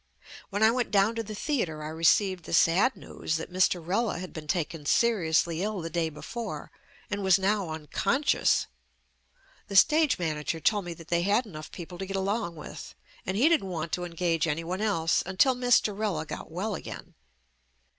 When I went down to the theatre I received the sad news that Mr. Rella had been taken seriously ill the day before and was now un conscious. The stage manager told me that they had enough people to get along with and he didn't want to engage any one else until Mr. Rella got well again.